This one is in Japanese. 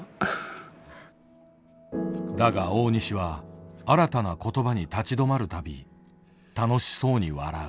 だが大西は新たな言葉に立ち止まるたび楽しそうに笑う。